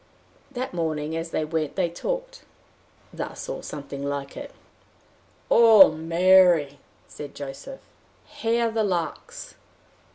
That morning, as they went, they talked thus, or something like this: "O Mary!" said Joseph, "hear the larks!